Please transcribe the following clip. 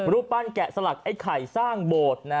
รูปปั้นแกะสลักไอ้ไข่สร้างโบสถ์